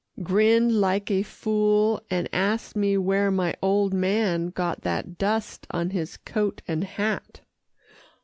"Grinned like a fool, and asked me where my old man got that dust on his coat and hat."